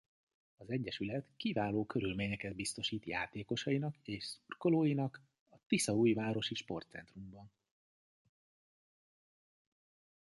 Az egyesület kiváló körülményeket biztosít játékosainak és szurkolóinak a Tiszaújvárosi Sportcentrumban.